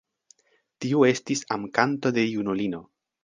Tiu estis amkanto de junulino.